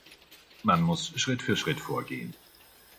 Man muss Schritt für Schritt vorgehen.